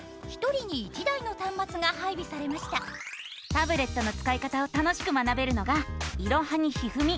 タブレットのつかい方を楽しく学べるのが「いろはにひふみ」。